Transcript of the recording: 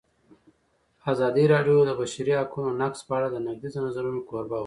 ازادي راډیو د د بشري حقونو نقض په اړه د نقدي نظرونو کوربه وه.